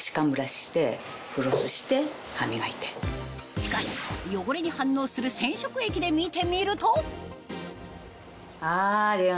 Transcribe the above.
しかし汚れに反応する染色液で見てみるとあ。